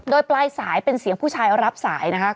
โดยปลายสายเป็นเสียงผู้ชายรับสายนะคะ